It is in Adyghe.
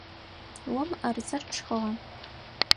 О мыӏэрысэр пшхыгъа?